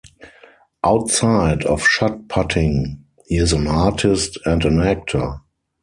Outside of shot putting, he is an artist and an actor.